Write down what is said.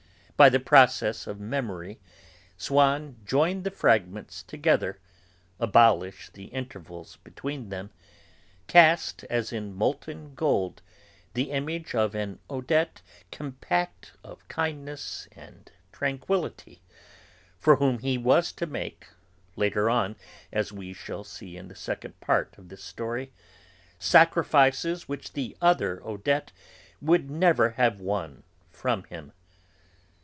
By the process of memory, Swann joined the fragments together, abolished the intervals between them, cast, as in molten gold, the image of an Odette compact of kindness and tranquillity, for whom he was to make, later on (as we shall see in the second part of this story) sacrifices which the other Odette would never have won from him.